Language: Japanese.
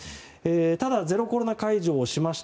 ただ、ゼロコロナ解除をしました